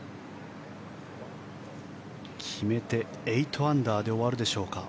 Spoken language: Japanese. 決めて８アンダーで終わるでしょうか。